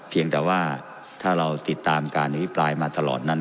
เพียงแต่ว่าถ้าเราติดตามการอภิปรายมาตลอดนั้น